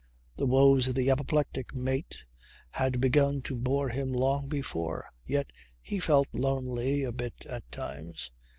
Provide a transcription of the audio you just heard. The woes of the apoplectic mate had begun to bore him long before. Yet he felt lonely a bit at times.